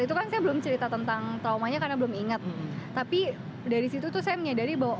itu kan saya belum cerita tentang traumanya karena belum ingat tapi dari situ tuh saya menyadari bahwa